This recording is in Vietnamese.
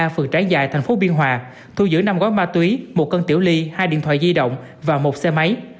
nơi trái dài thành phố biên hòa thu giữ năm gói ma túy một cân tiểu ly hai điện thoại di động và một xe máy